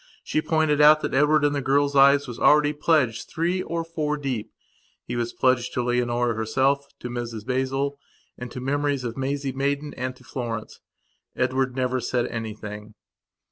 She pointed out that Edward in the girl's eyes, was already pledged three or four deep. He was pledged to Leonora herself, to Mrs Basil, and to the memories of Maisie Maidan and to Florence. Edward never said anything.